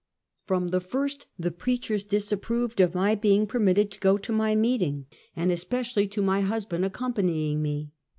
From the first the preachers disa23proved of my be ing permitted to go to my meeting, and especially to my husband accompanying me.